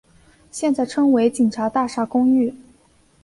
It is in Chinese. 现在称为警察大厦公寓。